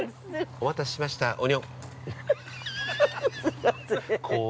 ◆お待たせしました、オニオ。